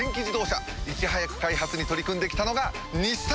いち早く開発に取り組んで来たのが日産！